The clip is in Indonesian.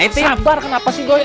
sabar kenapa sih doi